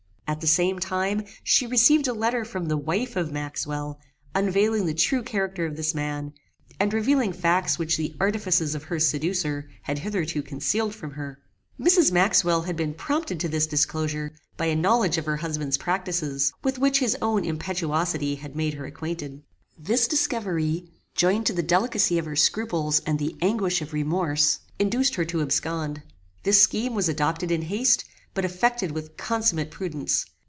At the same time she received a letter from the wife of Maxwell, unveiling the true character of this man, and revealing facts which the artifices of her seducer had hitherto concealed from her. Mrs. Maxwell had been prompted to this disclosure by a knowledge of her husband's practices, with which his own impetuosity had made her acquainted. This discovery, joined to the delicacy of her scruples and the anguish of remorse, induced her to abscond. This scheme was adopted in haste, but effected with consummate prudence.